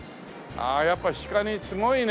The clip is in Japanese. ああやっぱ下にすごいね。